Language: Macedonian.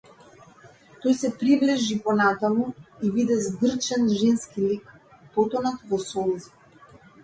Тој се приближи понатаму и виде згрчен женски лик, потонат во солзи.